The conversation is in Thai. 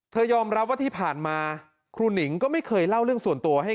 ยอมรับว่าที่ผ่านมาครูหนิงก็ไม่เคยเล่าเรื่องส่วนตัวให้